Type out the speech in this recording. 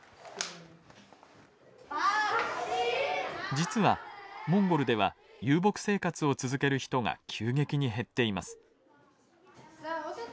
実はモンゴルでは遊牧生活を続ける人が急激に減っています。